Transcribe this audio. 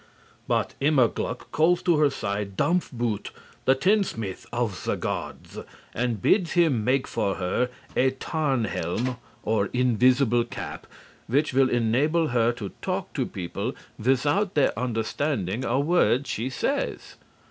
But Immerglück calls to her side Dampfboot, the tinsmith of the gods, and bids him make for her a tarnhelm or invisible cap which will enable her to talk to people without their understanding a word she says.